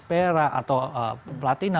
pera atau platina